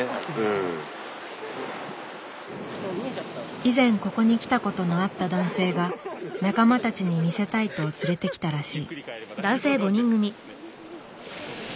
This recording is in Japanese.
以前ここに来たことのあった男性が仲間たちに見せたいと連れてきたらしい。